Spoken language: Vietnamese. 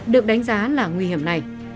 được đánh giá là bất kỳ